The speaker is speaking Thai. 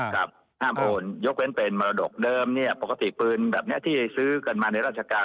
ห้ามโอนยกเว้นเป็นมรดกเดิมเนี่ยปกติปืนแบบนี้ที่ซื้อกันมาในราชการ